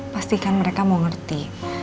pastikan mereka mau ngerti